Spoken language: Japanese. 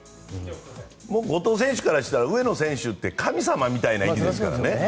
後藤選手からしたら上野選手って神様みたいな人ですからね。